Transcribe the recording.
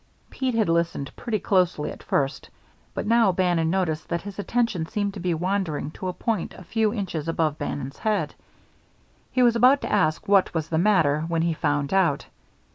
Pete had listened pretty closely at first, but now Bannon noticed that his attention seemed to be wandering to a point a few inches above Bannon's head. He was about to ask what was the matter when he found out.